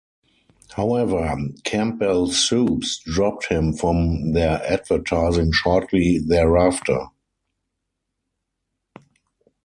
However, Campbell Soups dropped him from their advertising shortly thereafter.